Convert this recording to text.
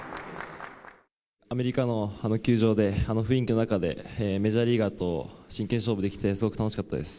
アメリカのあの球場で、あの雰囲気の中で、メジャーリーガーと真剣勝負できて、すごく楽しかったです。